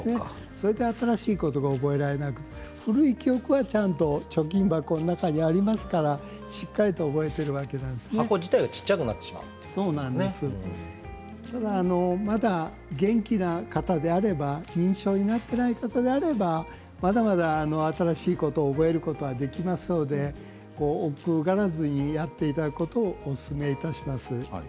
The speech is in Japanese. それで新しいことを覚えられなくて古い記憶はちゃんと貯金箱の中にありますからしっかりと箱自体がただまだ元気な方であれば認知症になっていない方であればまだまだ新しいことを覚えることはできますのでおっくうがらずにやっていただくことをおすすめいたします。